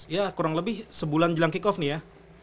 ya kurang lebih sebulan jelang kick off nih ya